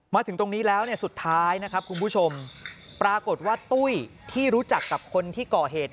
มาถึงตรงนี้แล้วสุดท้ายนะครับคุณผู้ชมปรากฏว่าตุ้ยที่รู้จักกับคนที่ก่อเหตุ